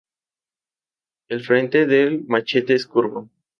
El frente del machete es curvo.